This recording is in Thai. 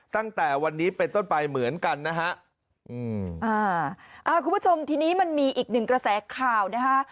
ตั้งแต่วันนี้เป็นต้นไปเหมือนกันนะฮะอืมอ่าอ่าคุณผู้ชมทีนี้มันมีอีกหนึ่งกระแสข่าวนะฮะ